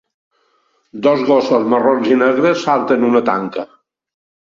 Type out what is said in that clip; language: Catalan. Dos gossos marrons i negres salten una tanca.